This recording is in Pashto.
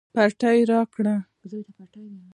پټۍ راکړه